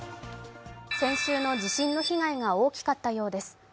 先週の地震の被害が大きかったようです。